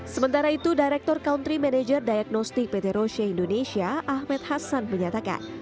sementara itu direktur country manager diagnostik pt rosia indonesia ahmed hassan menyatakan